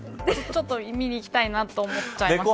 ちょっと見に行きたいなと思っちゃいました。